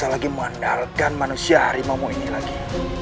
apalagi mengandalkan manusia harimau ini lagi